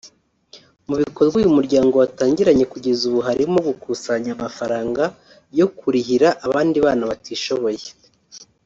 Mu bikorwa uyu muryango watangiranye kugeza ubu harimo gukusanya amafaranga yo kurihira abandi bana batishoboye